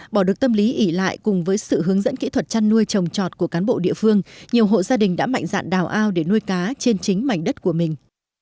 bỏ được tâm lý ỉ lại cùng với sự hướng dẫn kỹ thuật chăn nuôi trồng trọt của cán bộ địa phương nhiều hộ gia đình đã mạnh dạn đào ao để nuôi cá trên chính mảnh đất của mình